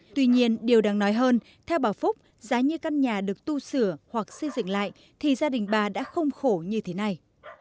tuy nhiên điều đáng nói hơn theo bà phúc giá như căn nhà được tu sửa hoặc xây dựng lại thì gia đình bà đã không khổ như thế này